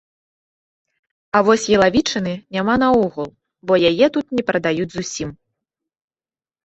А вось ялавічыны няма наогул, бо яе тут не прадаюць зусім.